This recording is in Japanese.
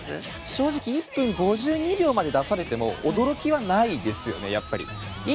正直１分５２秒まで出されても驚きはないですよね。